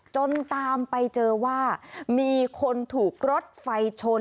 จนตามไปเจอว่ามีคนถูกรถไฟชน